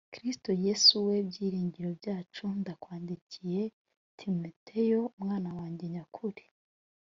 kristo yesu we byiringiro byacu ndakwandikiye timoteyo mwana wanjye nyakuri